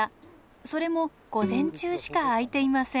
それも午前中しか開いていません。